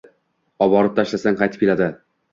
- Oborib tashlasang, qaytib keladi!